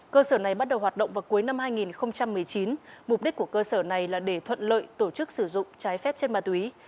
cơ sở này bắt đầu hoạt động vào cuối năm hai nghìn một mươi chín mục đích của cơ sở này là để thuận lợi tổ chức sử dụng trái phép chất ma túy